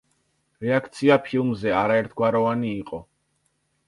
რეაქცია ფილმზე არაერთგვაროვანი იყო.